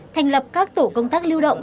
thành lập các tổ công tác lưu động